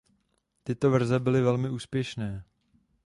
Tyto verze byly velmi úspěšné.